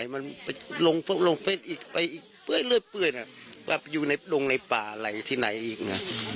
แบบต้องอยู่ในป่าอะไรที่ไหนอีกน้อง